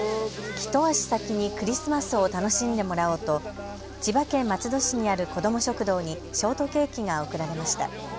一足先にクリスマスを楽しんでもらおうと千葉県松戸市にある子ども食堂にショートケーキが贈られました。